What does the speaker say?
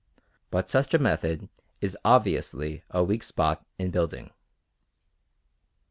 But such a method is obviously a weak spot in building.